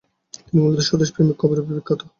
তিনি মূলত স্বদেশপ্রেমিক কবিরূপে বিখ্যাত।